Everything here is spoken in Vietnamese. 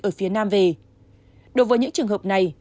ở phía nam về đối với những trường hợp này